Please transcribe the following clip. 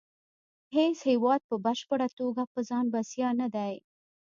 هیڅ هیواد په بشپړه توګه په ځان بسیا نه دی